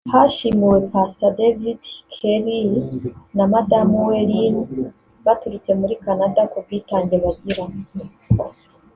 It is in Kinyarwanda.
Hashimiwe Pastor David Kehler na madamu we Lynn baturutse muri Canada ku bwitange bagira